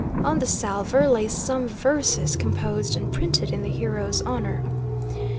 On the salver lay some verses composed and printed in the hero's honor.